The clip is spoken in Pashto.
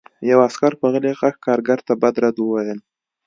یوه عسکر په غلي غږ کارګر ته بد رد وویل